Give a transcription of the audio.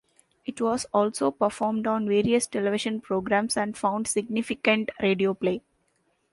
It was also performed on various television programs and found significant radio play.